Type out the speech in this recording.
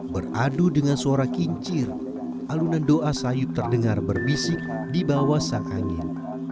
beradu dengan suara kincir alunan doa sayup terdengar berbisik di bawah sang angin